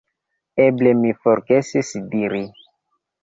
Eble mi forgesis diri.